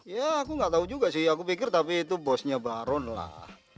ya aku gak tau juga sih aku pikir itu bosnya baron lah